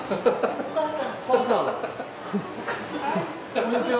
こんにちは。